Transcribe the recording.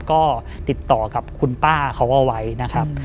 ก็ติดต่อกับคุณป้าเขาเอาไว้นะครับ